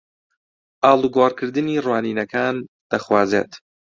ئاڵوگۆڕکردنی ڕوانینەکان دەخوازێت